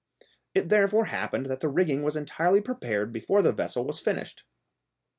It therefore happened that the rigging was entirely prepared before the vessel was finished.